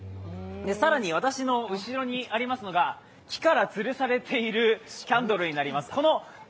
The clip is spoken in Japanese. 更に私の後ろにありますのが木からつるされているキャンドルになります。